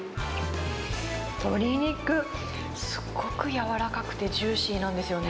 鶏肉、すごく柔らかくてジューシーなんですよね。